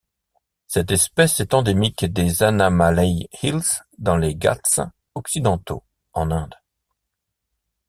Cette espèce est endémique des Anamallai Hills, dans les Ghâts occidentaux en Inde.